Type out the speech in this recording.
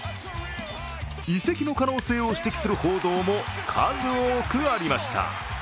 移籍の可能性を指摘する報道も数多くありました。